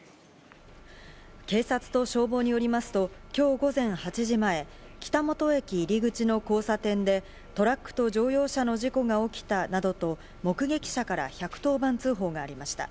警察と消防によりますと、今日午前８時前、北本駅入り口の交差点で、トラックと乗用車の事故が起きたなどと、目撃者から１１０番通報がありました。